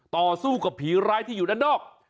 ต่อสู้กับผีร้ายที่อยู่ด้านนอก